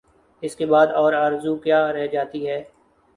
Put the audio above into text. اس کے بعد اور آرزو کیا رہ جاتی ہے؟